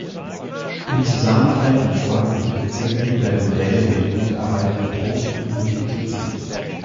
In Zusammenarbeit mit Orten und Bezirken werden Modelle der Jugendarbeit erprobt und multipliziert.